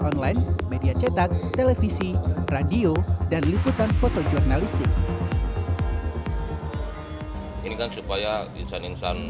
online media cetak televisi radio dan liputan foto jurnalistik ini kan supaya insan insan